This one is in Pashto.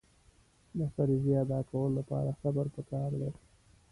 د فریضې ادا کولو لپاره صبر پکار دی.